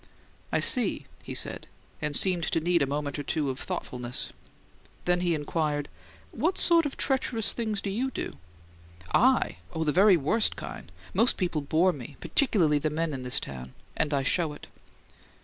"I see," he said, and seemed to need a moment or two of thoughtfulness. Then he inquired, "What sort of treacherous things do YOU do?" "I? Oh, the very worst kind! Most people bore me particularly the men in this town and I show it."